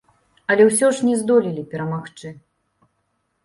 Але ўсё ж не здолелі перамагчы.